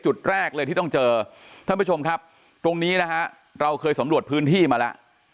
จุดแรกเลยที่ต้องเจอท่านผู้ชมครับตรงนี้นะฮะเราเคยสำรวจพื้นที่มาแล้ว